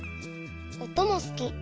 おともすき。